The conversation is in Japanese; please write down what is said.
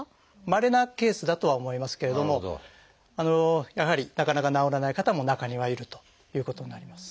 まれなケースだとは思いますけれどもやはりなかなか治らない方も中にはいるということになります。